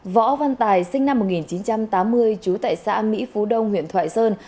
võ văn tài sinh năm một nghìn chín trăm tám mươi chú tại xã mỹ phú đông huyện thoại sơn